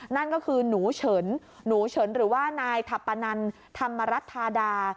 นั่นก็คือหนูเฉินหนูเฉินหรือว่านายทัพปนันธรรมรัฐธาดา